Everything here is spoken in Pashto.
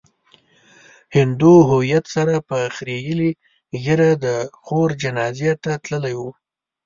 هندو هويت سره په خريلې ږيره د خور جنازې ته تللی و.